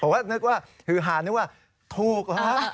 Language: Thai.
เพราะว่านึกว่าฮือหานึกว่าถูก